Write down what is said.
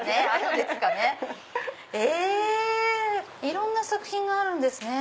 いろんな作品があるんですね。